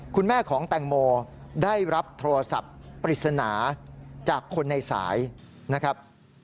คุณแม่ของแตงโมได้รับโทรศัพท์ปริศนาจากคนในสายนะครับ